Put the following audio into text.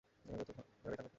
এভাবেই তা ঘটবে।